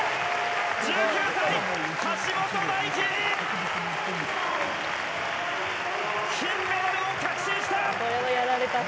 １９歳、橋本大輝、金メダルを確信した！